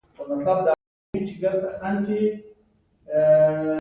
کلیزه ورځې او میاشتې ښيي